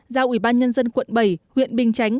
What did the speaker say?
giao ubnd quận bảy huyện bình chánh